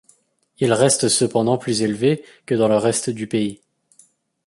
Il reste cependant plus élevé que dans le reste du pays.